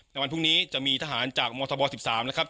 ในวันพรุ่งนี้จะมีทหารจากมธบ๑๓นะครับ